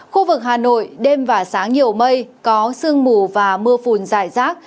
khu vực hà nội đêm và sáng nhiều mây có sương mù và mưa phùn dài rác